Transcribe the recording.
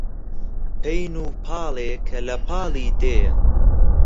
پەین و پاڵێ کە لە پاڵی دێیە